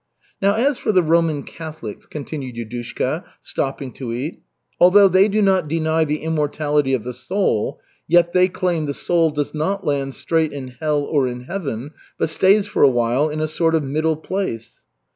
"Now as for the Roman Catholics," continued Yudushka, stopping to eat, "although they do not deny the immortality of the soul, yet they claim the soul does not land straight in hell or in heaven, but stays for a while in a sort of middle place."